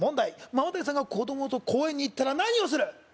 ママタレさんが子供と公園に行ったら何をする？